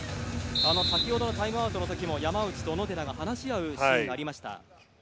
先ほどのタイムアウトの時も山内と小野寺が話し合うシーンがありました。